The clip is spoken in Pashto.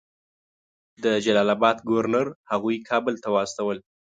د جلال آباد ګورنر هغوی کابل ته واستول.